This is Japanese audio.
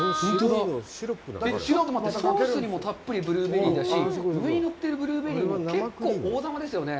ソースにもたっぷりブルーベリーだし、上にのってるブルーベリーも結構大玉ですよね。